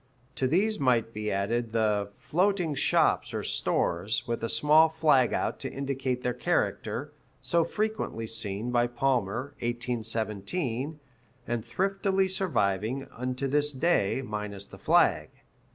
To these might be added the "floating shops or stores, with a small flag out to indicate their character," so frequently seen by Palmer (1817), and thriftily surviving unto this day, minus the flag.